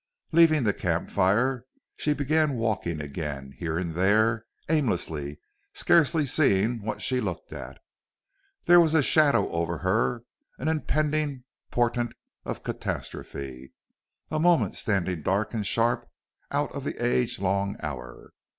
Leaving the camp fire, she began walking again, here and there, aimlessly, scarcely seeing what she looked at. There was a shadow over her, an impending portent of catastrophe, a moment standing dark and sharp out of the age long hour.